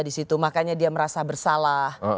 disitu makanya dia merasa bersalah